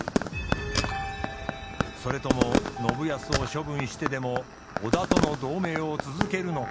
それとも信康を処分してでも織田との同盟を続けるのか。